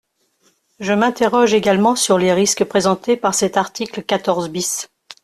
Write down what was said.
Je m’interroge également sur les risques présentés par cet article quatorze bis.